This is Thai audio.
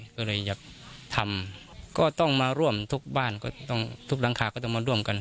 ก็เลยอยากทำก็ต้องมาร่วมทุกบ้านก็ต้องทุกหลังคาก็ต้องมาร่วมกัน